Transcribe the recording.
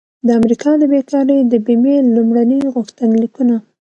د امریکا د بیکارۍ د بیمې لومړني غوښتنلیکونه